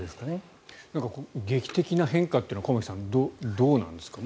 劇的な変化は駒木さん、どうなんですか。